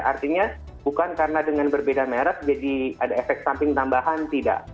artinya bukan karena dengan berbeda merek jadi ada efek samping tambahan tidak